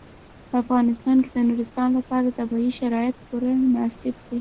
په افغانستان کې د نورستان لپاره طبیعي شرایط پوره مناسب دي.